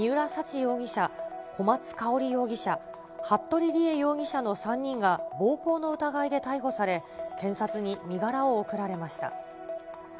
容疑者、小松香織容疑者、服部理江容疑者の３人が暴行の疑いで逮捕され、検察に身柄を送られました。